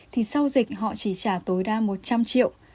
thì sau dịch họ chỉ trả tối đa một trăm linh triệu